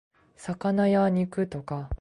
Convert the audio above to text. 魚や肉とか